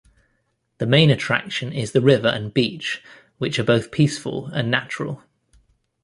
The main attraction is the river and beach which are both peaceful and natural.